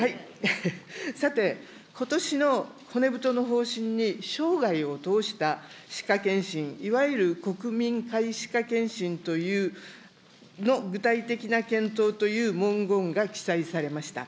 さて、ことしの骨太の方針に、生涯を通した歯科健診、いわゆる国民皆歯科健診という、具体的な検討という文言が記載されました。